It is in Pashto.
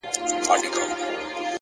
هوښیار انسان له وخت نه دوست جوړوي!.